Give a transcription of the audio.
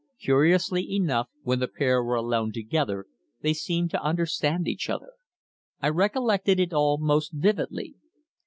Curiously enough when the pair were alone together they seemed to understand each other. I recollected it all most vividly.